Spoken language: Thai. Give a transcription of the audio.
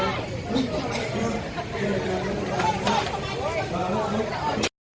อัศวินิสัมภาษาอัศวินิสัมภาษา